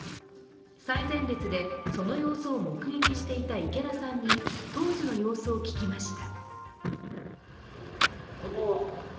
最前列でその様子を目撃していた池田さんに、当時の様子を聞きました。